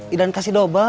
idan kasih dobel